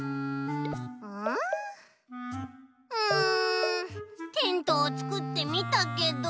うんテントをつくってみたけど。